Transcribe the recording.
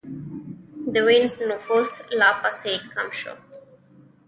د وینز نفوس لا پسې کم شو.